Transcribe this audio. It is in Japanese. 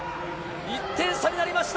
１点差になりました。